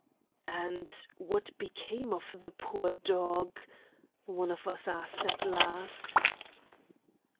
"And what became of the poor dog?" one of us asked at last.